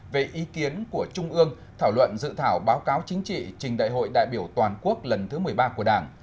về ý kiến của trung ương thảo luận dự thảo báo cáo chính trị trình đại hội đại biểu toàn quốc lần thứ một mươi ba của đảng